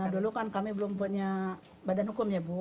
dulu kan kami belum punya badan hukum ya bu